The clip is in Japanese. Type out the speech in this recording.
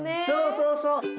そうそうそう。